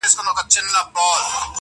سړي وویل قسم دی چي مسکین یم،